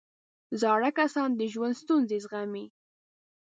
زاړه کسان د ژوند ستونزې زغمي